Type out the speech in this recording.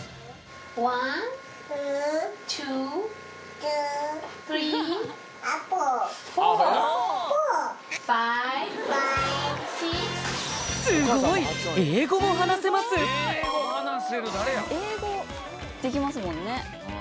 ピンポン英語できますもんね。